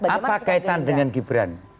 apa kaitan dengan gibran